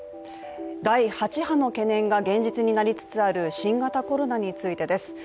第８波の懸念が現実になりつつある新型コロナについてです。